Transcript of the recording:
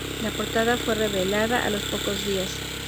La portada fue revelada a los pocos días.